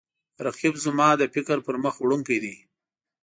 رقیب زما د فکر پرمخ وړونکی دی